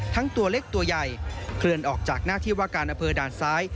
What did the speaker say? ตัวเล็กตัวใหญ่เคลื่อนออกจากหน้าที่ว่าการอำเภอด่านซ้าย